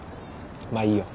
まあいいよ。